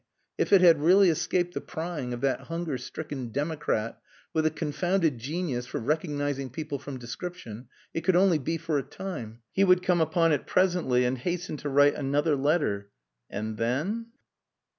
If it had really escaped the prying of that hunger stricken democrat with a confounded genius for recognizing people from description, it could only be for a time. He would come upon it presently and hasten to write another letter and then!